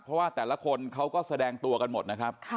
เพราะว่าแต่ละคนเขาก็แสดงตัวกันหมดนะครับ